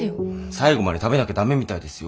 最後まで食べなきゃ駄目みたいですよ。